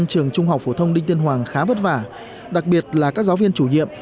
trường trung học phổ thông đinh tiên hoàng khá vất vả đặc biệt là các giáo viên chủ nhiệm